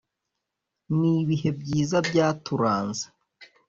nibihe byiza byaturanze